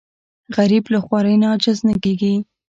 غریب له خوارۍ نه عاجز نه کېږي